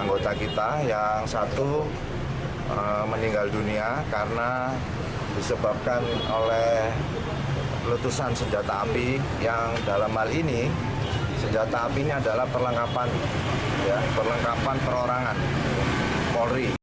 anggota kita yang satu meninggal dunia karena disebabkan oleh letusan senjata api yang dalam hal ini senjata api ini adalah perlengkapan perorangan polri